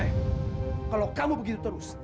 eh kalau kamu begitu terus